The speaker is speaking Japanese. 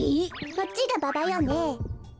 こっちがババよねえ。